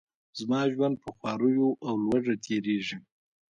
زما ژوند په خواریو او لوږه تیریږي.